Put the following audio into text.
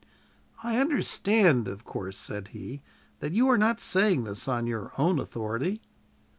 "I understand, of course," said he, "that you are not saying this on your own authority?"